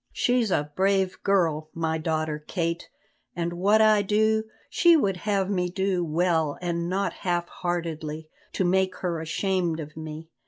She's a brave girl, my daughter Kate, and what I do, she would have me do well and not half heartedly, to make her ashamed of me.